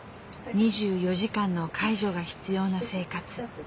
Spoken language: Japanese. ２４時間の介助が必要な生活。